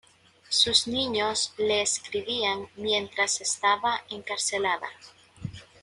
Sus niños le escribían mientras estaba encarcelada.